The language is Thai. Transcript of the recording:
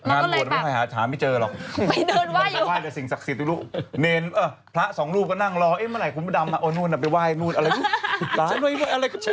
งานบวชไม่ค่อยหาไม่เจอหรอกพระสองลูกก็นั่งรอเอ๊ะเมื่อไหนคุณพระดำน่ะโอ๊ยนู่นน่ะไปไหว้นู่นอะไรอยู่